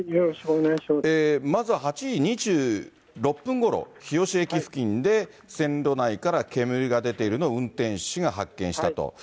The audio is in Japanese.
まず８時２６分ごろ、日吉駅付近で線路内から煙が出ているのを運転士が発見したと。